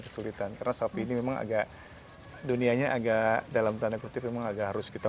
kesulitan karena sapi ini memang agak dunianya agak dalam tanda kutip memang agak harus kita